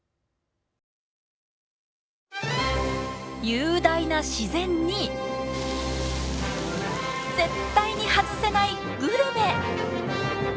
雄大な自然に絶対に外せないグルメ。